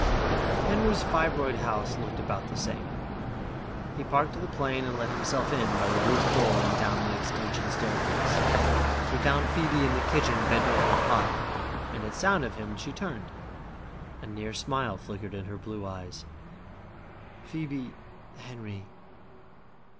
Henry's fibroid house looked about the same. He parked the plane and let himself in by the roof door and down the extension staircase. He found Phoebe in the kitchen bent over a pot, and at sound of him she turned. A near smile flickered in her blue eyes. "Phoebe ..." "Henry